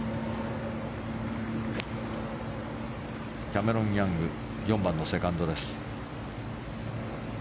キャメロン・ヤング４番のセカンドです。